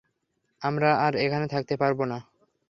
আমরা আর এখানে থাকতে পারবো না।